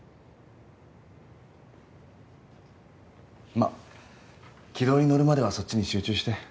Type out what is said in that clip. まあ軌道に乗るまではそっちに集中して。